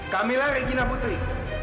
kamilah regina putri